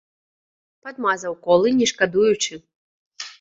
Падмазаў колы не шкадуючы.